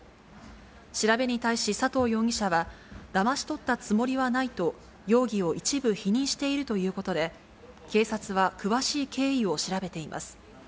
調べに対し佐藤容疑者は、だまし取ったつもりはないと、容疑を一部否認しているということで、警察は詳しい経緯を調べています。